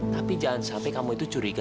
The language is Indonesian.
tapi jangan sampai kamu itu curiga